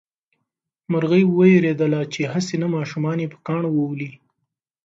مرغۍ وېرېدله چې هسې نه ماشومان یې په کاڼو وولي.